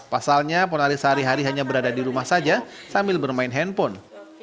pasalnya ponari sehari hari hanya berada di rumah saja sambil bermain handphone